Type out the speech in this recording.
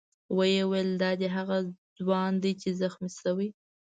ویې ویل: دا دی هغه ځوان دی چې زخمي شوی.